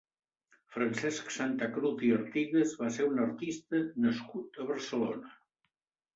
Francesc Santacruz i Artigues va ser un artista nascut a Barcelona.